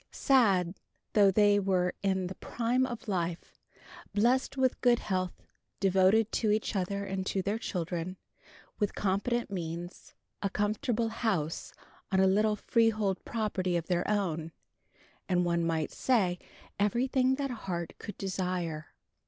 Sad, though they were in the prime of life, blessed with good health, devoted to each other and to their children, with competent means, a comfortable house on a little freehold property of their own, and, one might say, everything that heart could desire.